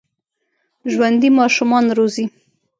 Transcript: ژوندي ماشومان روزي